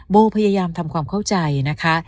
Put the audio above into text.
โบพยายามทำความเข้าใจนะคะ